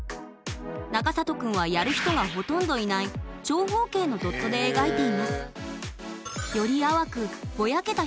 中里くんはやる人がほとんどいない長方形のドットで描いています